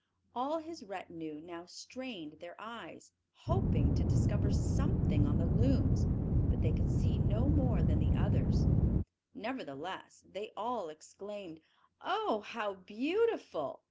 All his retinue now strained their eyes, hoping to discover something on the looms, but they could see no more than the others; nevertheless, they all exclaimed, "Oh, how beautiful!"